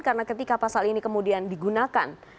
karena ketika pasal ini kemudian digunakan